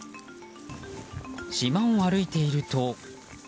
島を歩いていると。